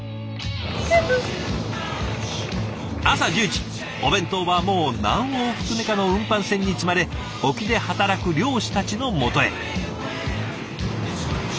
朝１０時お弁当はもう何往復目かの運搬船に積まれ沖で働く漁師たちのもとへ。